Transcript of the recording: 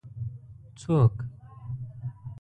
ـ څوک؟